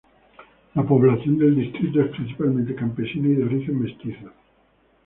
La población del distrito es principalmente campesina y de origen mestizo.